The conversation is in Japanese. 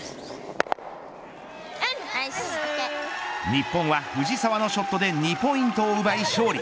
日本は藤澤のショットで２ポイントを奪い勝利。